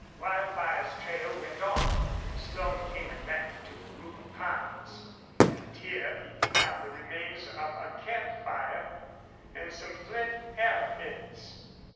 Wildfire's trail went on. Slone came at length to a group of pines, and here he found the remains of a camp fire, and some flint arrow heads.